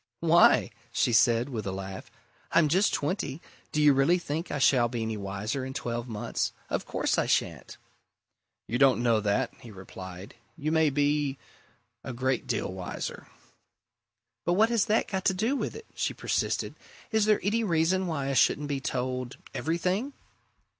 "Why?" she said, with a laugh. "I'm just twenty do you really think I shall be any wiser in twelve months? Of course I shan't!" "You don't know that," he replied. "You may be a great deal wiser." "But what has that got to do with it?" she persisted. "Is there any reason why I shouldn't be told everything?"